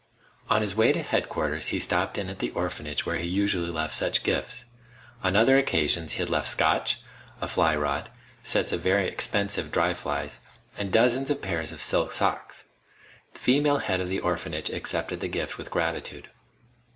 On his way to Headquarters he stopped in at the orphanage where he usually left such gifts. On other occasions he had left Scotch, a fly rod, sets of very expensive dry flies, and dozens of pairs of silk socks. The female head of the orphanage accepted the gift with gratitude.